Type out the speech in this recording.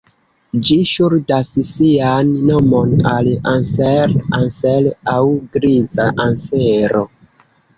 Ĝi ŝuldas sian nomon al "Anser Anser" aŭ griza ansero.